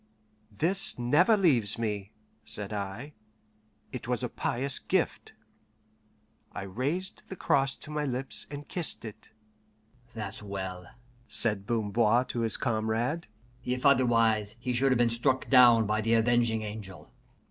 "This never leaves me," said I; "it was a pious gift." I raised the cross to my lips, and kissed it. "That's well," said Bamboir to his comrade. "If otherwise, he should have been struck down by the Avenging Angel."